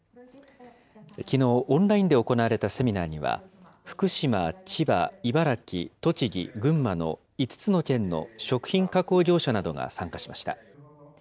きのう、オンラインで行われたセミナーには、福島、千葉、茨城、栃木、群馬の５つの県の食品加工業者などが参加しました。